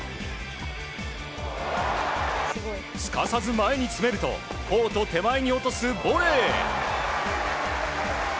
すかさず前に詰めるとコート手前に落とすボレー。